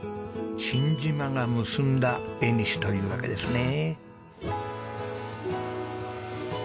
新島が結んだ縁というわけですね。